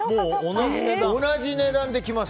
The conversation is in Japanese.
同じ値段できます。